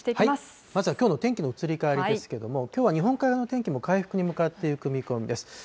まずはきょうの天気の移り変わりですけれども、きょうは日本海側の天気も回復に向かっていく見込みです。